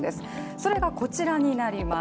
それがこちらになります。